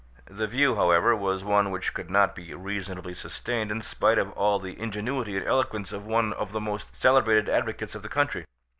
The view, however, was one which could not be reasonably sustained, in spite of all the ingenuity and eloquence of one of the most celebrated advocates of the country.